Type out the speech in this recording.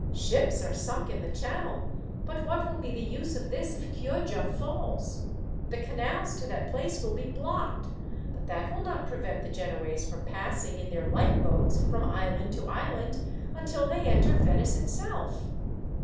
Ships are sunk in the channel; but what will be the use of this if Chioggia falls? The canals to that place will be blocked, but that will not prevent the Genoese from passing, in their light boats, from island to island, until they enter Venice itself.